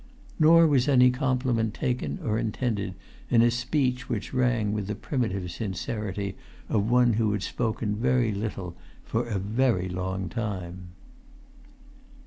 Nor was any compliment taken or intended in a speech which rang with the primitive sincerity of one who had spoken very little for a very long time.